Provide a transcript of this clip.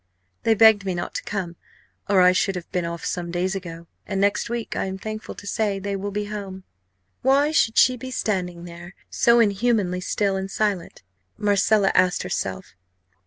They begged me not to come, or I should have been off some days ago. And next week, I am thankful to say, they will be home." Why should she be standing there, so inhumanly still and silent? Marcella asked herself.